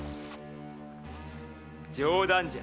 冗談じゃ。